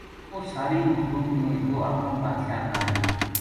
اس ساری مخلوق نے وہ اپنو بادشاہ بنا لیو